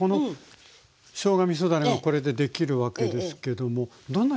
しょうがみそだれがこれでできるわけですけどもどんな料理に？